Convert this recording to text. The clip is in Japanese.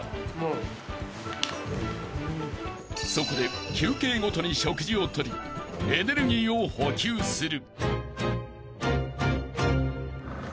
［そこで休憩ごとに食事を取りエネルギーを補給する］